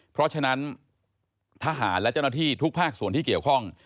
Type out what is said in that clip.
เพราะฉะนั้นทหารและเจ้าหน้าที่ทุกภาคส่วนที่เกี่ยวข้อง